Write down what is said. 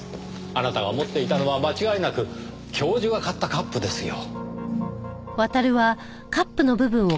あなたが持っていたのは間違いなく教授が買ったカップですよ。